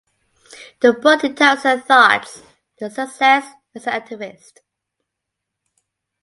The book details her thoughts and her success as an activist.